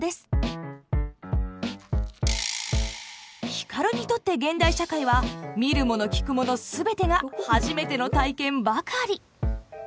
光にとって現代社会は見るもの聞くものすべてが初めての体験ばかり。